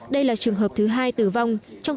đây là trường hợp thứ hai tử vong